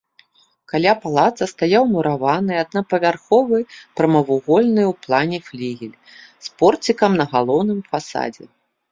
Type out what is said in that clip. Каля палаца стаяў мураваны аднапавярховы прамавугольны ў плане флігель з порцікам на галоўным фасадзе.